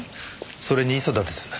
それに磯田です。